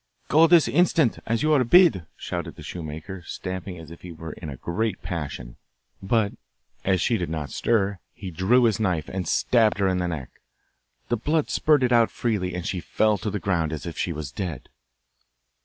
'Go this instant, as you are bid,' shouted the shoemaker, stamping as if he was in a great passion; but, as she did not stir, he drew his knife, and stabbed her in the neck. The blood spurted out freely, and she fell to the ground as if she was dead.